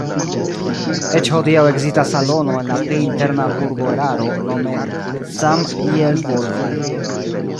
Eĉ hodiaŭ ekzistas salono en la pli interna burgoeraro nome "Samielvolbo".